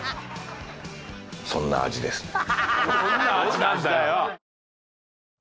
そんな味ですね。